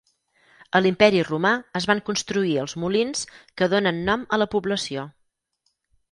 A l'imperi romà es van construir els molins que donen nom a la població.